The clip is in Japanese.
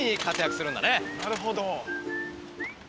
なるほど。